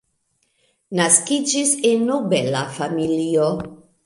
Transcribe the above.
Naskiĝis en nobela familio.